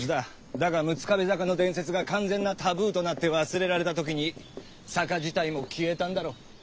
だが六壁坂の伝説が完全なタブーとなって忘れられた時に坂自体も消えたんだろう。